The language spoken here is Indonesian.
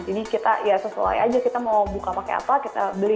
jadi kita ya sesuai aja kita mau buka pakai apa kita beli